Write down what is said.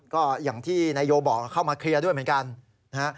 ก็อย่างที่นายโยบอกเข้ามาเคลียร์ด้วยเหมือนกันนะฮะ